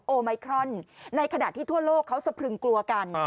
โอไมครอนในขณะที่ทั่วโลกเขาสะพรึงกลัวกัน